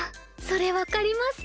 それ分かります。